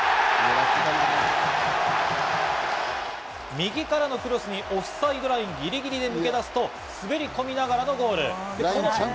右からのクロスにオフサイドラインぎりぎりで抜け出すと、滑り込みながらのゴール！